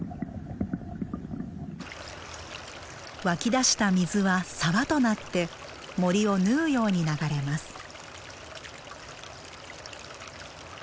湧き出した水は沢となって森を縫うように流れます。